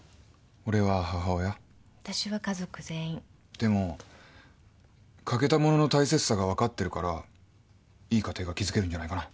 でも欠けたものの大切さが分かってるからいい家庭が築けるんじゃないかな。